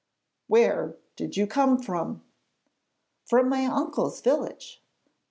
'Where did you come from?' 'From my uncle's village.'